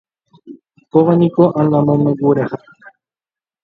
Kóvaniko Angamongueraha